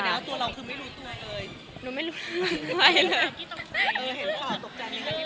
แสดงว่าตัวเราคือไม่รู้เลย